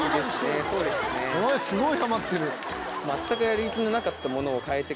えすごい！